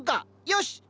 よし！